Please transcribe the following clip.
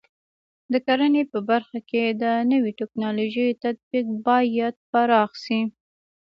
د کرنې په برخه کې د نوو ټکنالوژیو تطبیق باید پراخ شي.